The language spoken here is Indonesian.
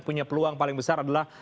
punya peluang paling besar adalah